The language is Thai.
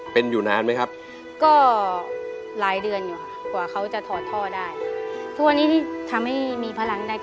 พ่อนี้ก็ไม่รู้จักหนูไม่มีพ่อ